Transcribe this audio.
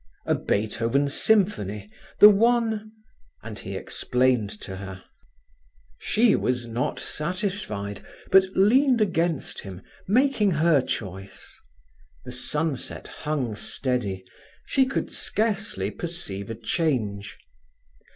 "A Beethoven symphony—the one—" and he explained to her. She was not satisfied, but leaned against him, making her choice. The sunset hung steady, she could scarcely perceive a change.